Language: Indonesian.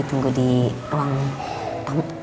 tunggu di ruang tamu